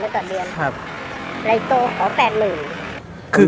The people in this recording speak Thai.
ของภาษา๒๓๐๐บาทลงแสงต่อเดือน